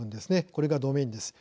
これがドメインです。